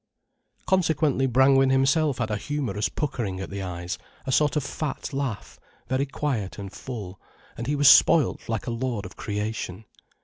Consequently Brangwen himself had a humorous puckering at the eyes, a sort of fat laugh, very quiet and full, and he was spoilt like a lord of creation.